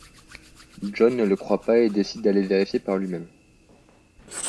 John ne le croit pas et décide d'aller vérifier par lui-même.